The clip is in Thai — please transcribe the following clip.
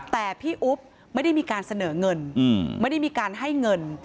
แต่พี่อุ๊บไม่ได้มีการเสนอเงินไม่ได้มีการให้เงิน